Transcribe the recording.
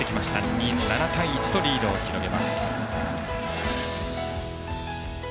日本ハム、７対１とリードを広げます。